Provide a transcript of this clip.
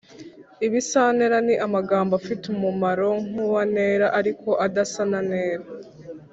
ibisantera ni amagambo afite umumaro nk’uwa ntera ariko adasa na ntera